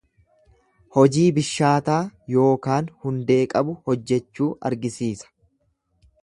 Hojii bishaataa yookaan hundee qabu hojjechuu argisiisa.